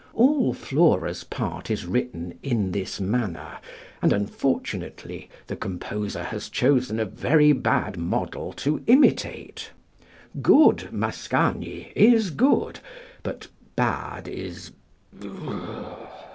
All Flora's part is written in this manner, and unfortunately the composer has chosen a very bad model to imitate good Mascagni is good, but bad is